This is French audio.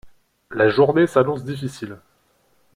La journée s’annonce difficile.